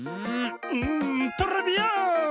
んトレビアーン！